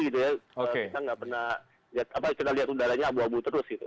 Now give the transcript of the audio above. kita tidak pernah lihat udaranya abu abu terus